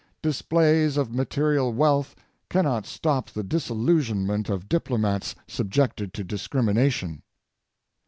Displays of material wealth cannot stop the disillusionment of diplomats subjected to discrimination.